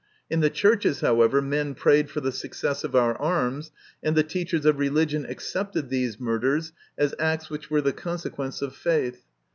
In the churches, however, men prayed for the success of our arms, and the teachers of religion accepted these murders as acts which were the consequence of faith.